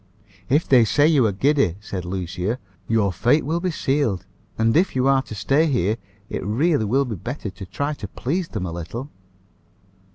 "If they say you are giddy," said Lucia, "your fate will be sealed; and, if you are to stay here, it really will be better to try to please them a little."